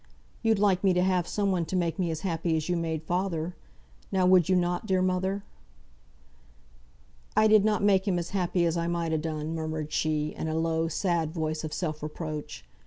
You'd like me to have some one to make me as happy as you made father? Now, would you not, dear mother?" "I did not make him as happy as I might ha' done," murmured she, in a low, sad voice of self reproach.